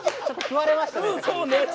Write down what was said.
ちょっと食われましたね。